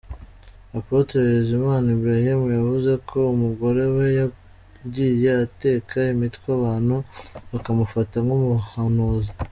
Apotre Bizimana Ibrahim yavuze ko umugore we yagiye ateka imitwe abantu bakamufata nk'umuhanuzi.